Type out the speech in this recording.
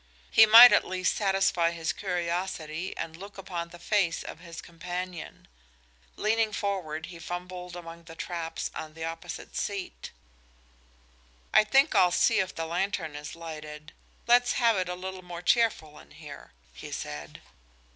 He might, at least, satisfy his curiosity and look upon the face of his companion. Leaning forward he fumbled among the traps on the opposite seat. "I think I'll see if the lantern is lighted. Let's have it a little more cheerful in here," he said.